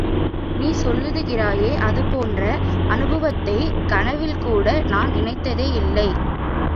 நீ சொல்லுகிறாயே அது போன்ற அநுபவத்தைக் கனவில்கூட நான் நினைத்ததில்லையே!